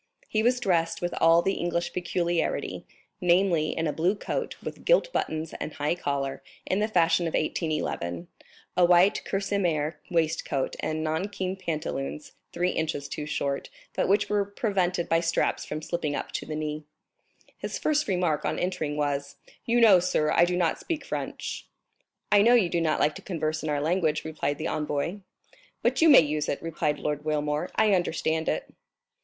He was dressed with all the English peculiarity, namely, in a blue coat, with gilt buttons and high collar, in the fashion of 1811, a white kerseymere waistcoat, and nankeen pantaloons, three inches too short, but which were prevented by straps from slipping up to the knee. His first remark on entering was: "You know, sir, I do not speak French?" "I know you do not like to converse in our language," replied the envoy. "But you may use it," replied Lord Wilmore; "I understand it."